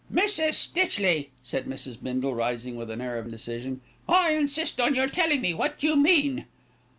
"Mrs. Stitchley," said Mrs. Bindle, rising with an air of decision, "I insist on your telling me what you mean."